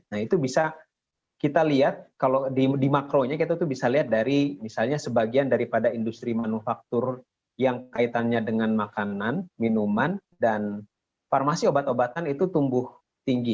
nah itu bisa kita lihat kalau di makronya kita tuh bisa lihat dari misalnya sebagian daripada industri manufaktur yang kaitannya dengan makanan minuman dan farmasi obat obatan itu tumbuh tinggi